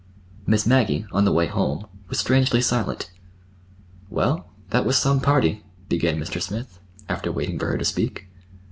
Miss Maggie, on the way home, was strangely silent. "Well, that was some party," began Mr. Smith after waiting for her to speak.